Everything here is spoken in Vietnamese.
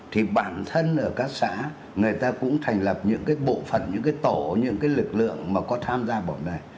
thì bản thân ở các xã người ta cũng thành lập những cái bộ phận những cái tổ những cái lực lượng mà có tham gia bảo này